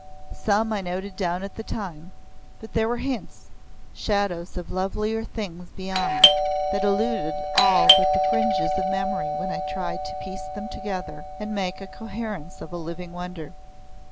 Some I noted down at the time, but there were hints, shadows of lovelier things beyond that eluded all but the fringes of memory when I tried to piece them together and make a coherence of a living wonder.